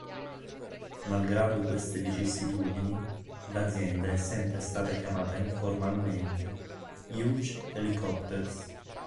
Malgrado queste vicissitudini, l'azienda è sempre stata chiamata informalmente “Hughes Helicopters”.